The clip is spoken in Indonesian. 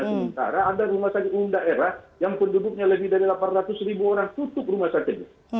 sementara ada rumah sakit umum daerah yang penduduknya lebih dari delapan ratus ribu orang tutup rumah sakit